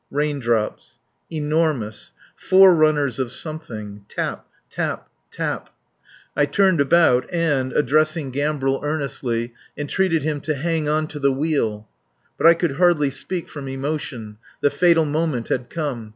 Raindrops. Enormous. Forerunners of something. Tap. Tap. Tap. ... I turned about, and, addressing Gambrel earnestly, entreated him to "hang on to the wheel." But I could hardly speak from emotion. The fatal moment had come.